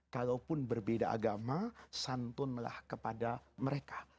kalaupun berbeda agama santunlah kepada mereka